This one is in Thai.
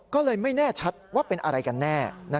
ก็เลยไม่แน่ชัดว่าเป็นอะไรกันแน่